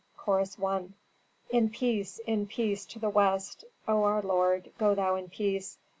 Chorus I. "In peace, in peace, to the West, O our lord, go thou in peace.